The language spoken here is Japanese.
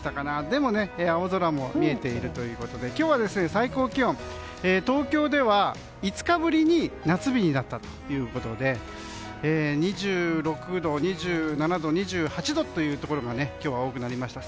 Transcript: でも青空も見えているということで今日は最高気温、東京では５日ぶりに夏日になったということで２６度、２７度、２８度というところが今日は多くなりました。